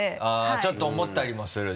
あっちょっと思ったりもする？